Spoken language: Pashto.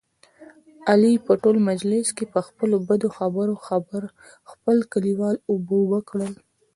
علي په ټول مجلس کې، په خپلو بدو خبرو خپل کلیوال اوبه اوبه کړل.